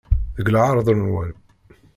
Deg lɣeṛḍ-nwen!